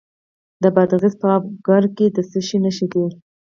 د بادغیس په اب کمري کې د څه شي نښې دي؟